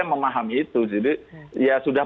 memahami itu jadi ya sudah